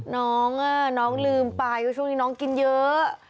น้องน้องลืมไปก็ช่วงนี้น้องกินเยอะ